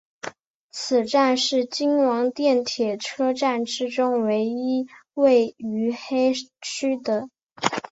此站是京王电铁车站之中唯一位于目黑区的。